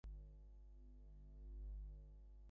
অন্নদা কহিলেন, এটা ভারি অন্যায়।